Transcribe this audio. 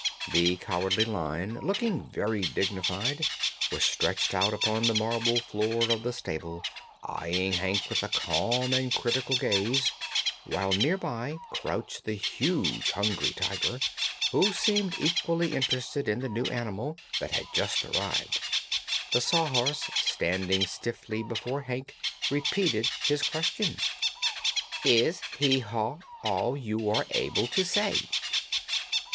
The Cowardly Lion, looking very dignified, was stretched out upon the marble floor of the stable, eyeing Hank with a calm and critical gaze, while near by crouched the huge Hungry Tiger, who seemed equally interested in the new animal that had just arrived. The Sawhorse, standing stiffly before Hank, repeated his question: "Is 'hee haw' all you are able to say?"